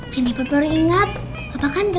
jeniper baru ingat